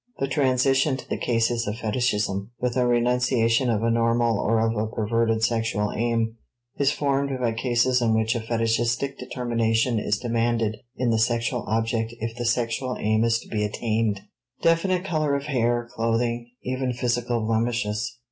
The transition to the cases of fetichism, with a renunciation of a normal or of a perverted sexual aim, is formed by cases in which a fetichistic determination is demanded in the sexual object if the sexual aim is to be attained (definite color of hair, clothing, even physical blemishes).